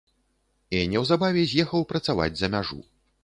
І неўзабаве з'ехаў працаваць за мяжу.